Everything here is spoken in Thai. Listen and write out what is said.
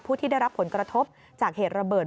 ที่ได้รับผลกระทบจากเหตุระเบิด